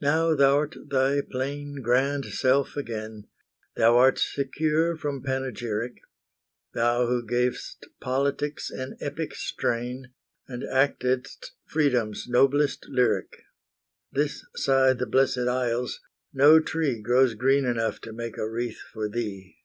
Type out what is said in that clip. Now thou 'rt thy plain, grand self again, Thou art secure from panegyric, Thou who gav'st politics an epic strain, And actedst Freedom's noblest lyric: This side the Blessed Isles, no tree Grows green enough to make a wreath for thee.